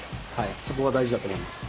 そこが大事だと思います。